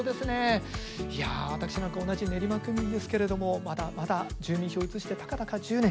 いや私なんか同じ練馬区民ですけれどもまだまだ住民票を移してたかだか１０年。